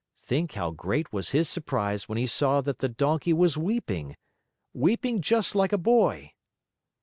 Think how great was his surprise when he saw that the donkey was weeping weeping just like a boy!